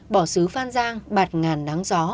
bỏ xứ phan giang bạt ngàn nắng gió